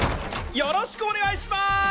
よろしくお願いします！